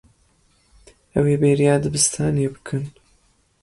Ew ê bêriya dibistanê bikin.